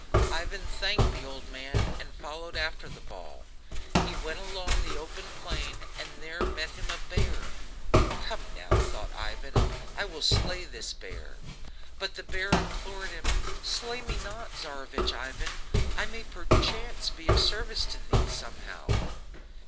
Ivan thanked the old man, and followed after the ball. He went along the open plain, and there met him a bear. "Come now!" thought Ivan, "I will slay this beast." But the bear implored him: "Slay me not, Tsarevich Ivan, I may perchance be of service to thee somehow."